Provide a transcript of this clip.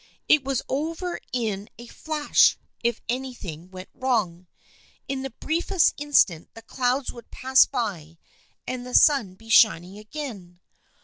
It was over in a flash, if anything went wrong. In the briefest in stant the clouds would pass by and the sun be shining again.